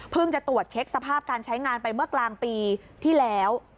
จะตรวจเช็คสภาพการใช้งานไปเมื่อกลางปีที่แล้ว